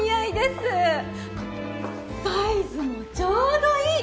サイズもちょうどいい！